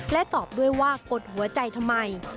และตอบด้วยว่ากดหัวใจทำไม